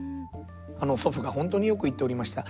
祖父が本当によく言っておりました。